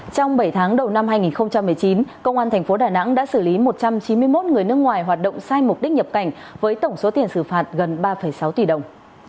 trong bảy tháng đầu năm hai nghìn một mươi chín công an tp đà nẵng đã xử lý một trăm chín mươi một người nước ngoài hoạt động sai mục đích nhập cảnh với tổng số tiền xử phạt gần ba sáu tỷ đồng